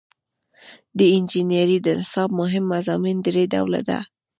د انجنیری د نصاب مهم مضامین درې ډوله دي.